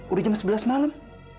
udah jam sebelas malam